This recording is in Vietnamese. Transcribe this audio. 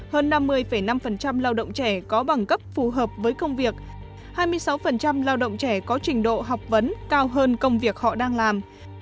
hơn năm mươi năm lao động trẻ có bằng cấp phù hợp với công việc hai mươi sáu lao động trẻ có trình độ học vấn cao hơn công việc họ đang làm